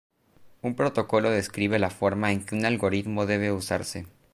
Un protocolo describe la forma en que un algoritmo debe usarse.